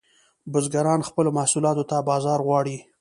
بزګران خپلو محصولاتو ته بازار غواړي